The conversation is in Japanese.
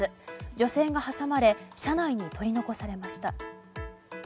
女性が挟まれ車内に取り残されました。